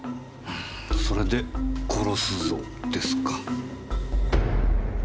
うんそれで「殺すぞ」ですか。